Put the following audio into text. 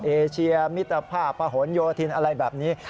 เอเชียมิตรภาพพะหนโยธินอะไรแบบนี้